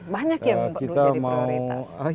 banyak yang perlu jadi prioritas